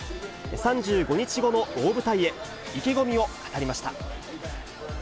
３５日後の大舞台へ、意気込みを語りました。